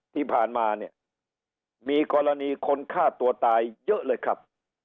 ที่ผ่านมาเนี่ยมีกรณีคนฆ่าตัวตายเยอะเลยครับ